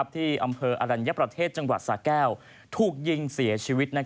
ที่อำเภออรัญญประเทศจังหวัดสาแก้วถูกยิงเสียชีวิต